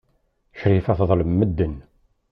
Crifa teḍlem medden.